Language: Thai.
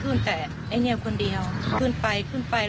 และที่สำคัญก็มีอาจารย์หญิงในอำเภอภูสิงอีกเหมือนกัน